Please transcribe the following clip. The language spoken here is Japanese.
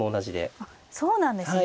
そうなんですね。